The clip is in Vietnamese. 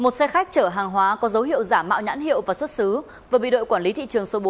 một xe khách chở hàng hóa có dấu hiệu giả mạo nhãn hiệu và xuất xứ vừa bị đội quản lý thị trường số bốn